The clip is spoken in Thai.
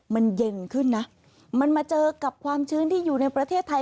มันเย็นขึ้นนะมันมาเจอกับความชื้นที่อยู่ในประเทศไทย